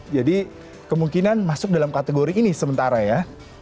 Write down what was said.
jadi kemungkinan masuk dalam kategori ini sementara ya